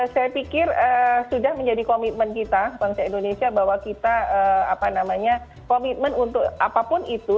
saya pikir sudah menjadi komitmen kita bangsa indonesia bahwa kita komitmen untuk apapun itu